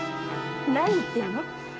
何言ってるの。